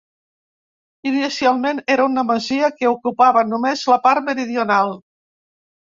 Inicialment era una masia que ocupava només la part meridional.